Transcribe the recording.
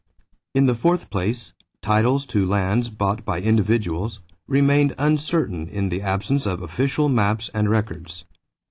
In the fourth place, titles to lands bought by individuals remained uncertain in the absence of official maps and records.